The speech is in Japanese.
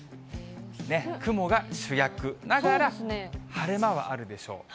ねっ、雲が主役ながら、晴れ間はあるでしょう。